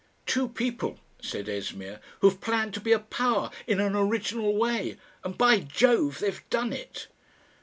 "Two people," said Esmeer, "who've planned to be a power in an original way. And by Jove! they've done it!"